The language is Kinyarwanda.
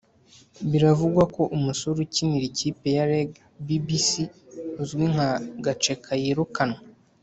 Biravugwako ko umusore ukinira ikipe ya reg bbc uzwi nka gaceka yirukanwe